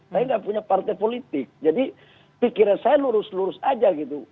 saya nggak punya partai politik jadi pikiran saya lurus lurus aja gitu